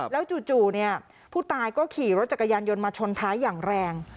แล้วจู่ผู้ตายก็ขี่รถจักรยานยนต์มาชนท้ายอย่างแรง